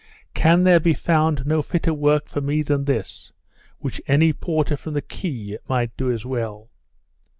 'Can there be found no fitter work for me than this, which any porter from the quay might do as well?